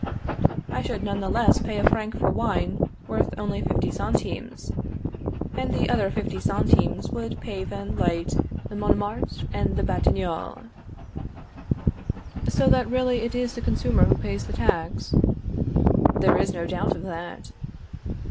I should none the less pay a franc for wine worth only fifty centimes, and the other fifty centimes would pave and light Montmartre and the Batignolles. So that really it is the consumer who pays the tax? There is no doubt of that.